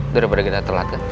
daripada kita terlalu